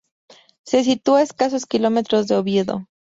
Se sitúa a escasos kilómetros de Oviedo.